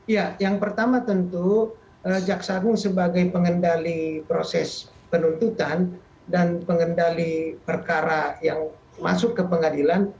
ya yang pertama tentu jaksa agung sebagai pengendali proses penuntutan dan pengendali perkara yang masuk ke pengadilan